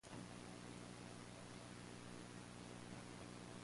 Its county seat is Decatur.